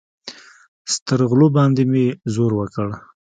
سترغلو باندې مې زور وکړ.